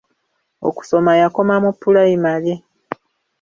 Okusoma yakoma mu pulayimale.